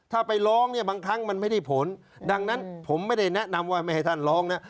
ถ้าไปร้องเนี่ยบางครั้งมันไม่ได้ผลดังนั้นผมไม่ได้แนะนำว่าไม่ให้ท่านร้องนะ